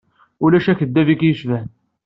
Ulac akeddab i k-yecban.